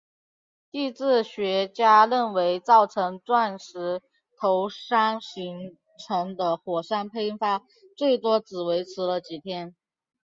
地质学家认为造成钻石头山形成的火山喷发最多只持续了几天。